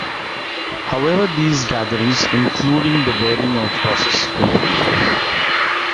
However, these gatherings, including the burning of crosses, continued.